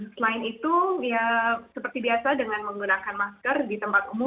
selain itu ya seperti biasa dengan menggunakan masker di tempat umum